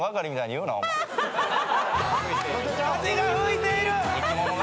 風が吹いている！